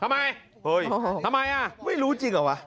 ทำไมทำไมอ่ะไม่รู้จริงเหรอวะ